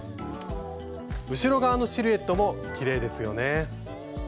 後ろ側のシルエットもきれいですよね。